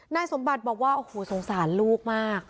นายสมบัติบอกว่าโอ้โหสงสารลูกมาก